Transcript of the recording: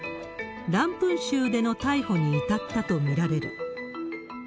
ランプン州での逮捕に至ったと見られる。